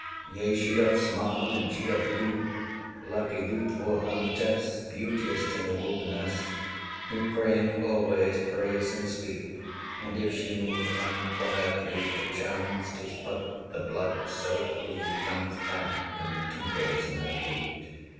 Yea, she doth smile, and she doth weep, Like a youthful hermitess, 320 Beauteous in a wilderness, Who, praying always, prays in sleep. And, if she move unquietly, Perchance, 'tis but the blood so free Comes back and tingles in her feet.